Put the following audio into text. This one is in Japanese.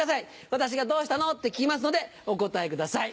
私が「どうしたの？」って聞きますのでお答えください。